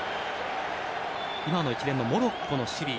今の一連のモロッコの守備